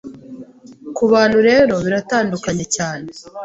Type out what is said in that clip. Kubantu rero biratandukanye cyane